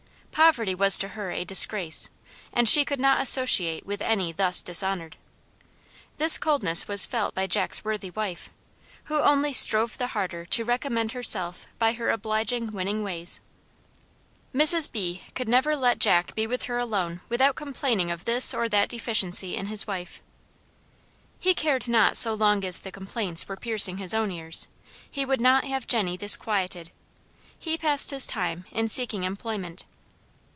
Poverty was to her a disgrace, and she could not associate with any thus dishonored. This coldness was felt by Jack's worthy wife, who only strove the harder to recommend herself by her obliging, winning ways. Mrs. B. could never let Jack be with her alone without complaining of this or that deficiency in his wife. He cared not so long as the complaints were piercing his own ears. He would not have Jenny disquieted. He passed his time in seeking employment.